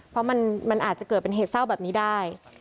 เพราะมันอาจจะเกิดเป็นเหตุเศร้าแบบนี้ได้